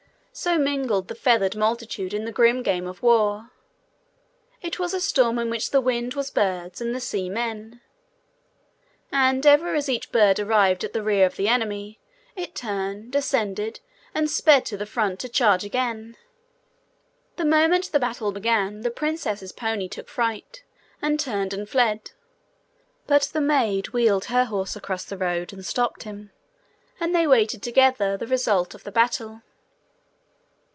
So mingled the feathered multitude in the grim game of war. It was a storm in which the wind was birds, and the sea men. And ever as each bird arrived at the rear of the enemy, it turned, ascended, and sped to the front to charge again. The moment the battle began, the princess's pony took fright, and turned and fled. But the maid wheeled her horse across the road and stopped him; and they waited together the result of the battle.